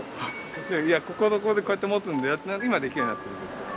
いやこうやって持つんだよって今できるようになってるんですけど。